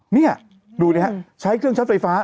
นี่นี่ดูในฮะใช้เครื่องเช็ดไฟฟ้า